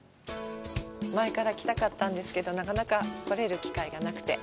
前から来たかったんですけど、なかなか来れる機会がなくて。